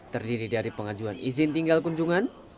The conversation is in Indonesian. terdiri dari pengajuan izin tinggal kunjungan